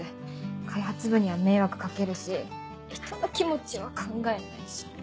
開発部には迷惑かけるし人の気持ちは考えないし。